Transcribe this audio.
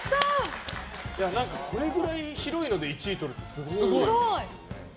これぐらい広いので１位をとるってすごいですね。